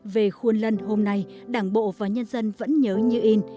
về khuôn lân hôm nay đảng bộ và nhân dân vẫn nhớ như in